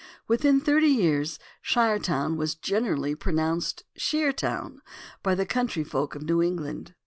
Within thirty years "Shiretown" was generally pronounced "Sheer town" by the country folk of New England.